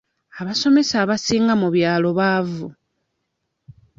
Abasomesa abasinga mu byalo baavu.